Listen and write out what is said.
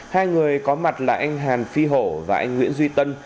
hai người có mặt là anh hàn phi hổ và anh nguyễn duy tân